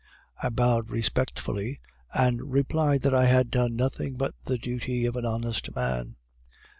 "I bowed respectfully, and replied that I had done nothing but the duty of an honest man.